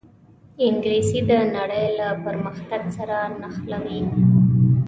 انګلیسي د نړۍ له پرمختګ سره نښلوي